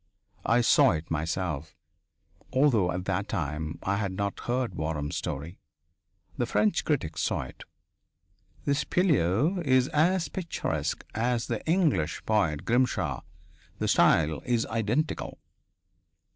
I saw it myself, although at that time I had not heard Waram's story. The French critics saw it. "This Pilleux is as picturesque as the English poet, Grimshaw. The style is identical."